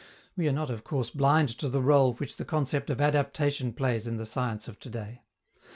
We are not, of course, blind to the rôle which the concept of adaptation plays in the science of to day.